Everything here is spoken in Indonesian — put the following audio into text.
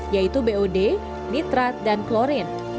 yaitu bod nitrat dan klorin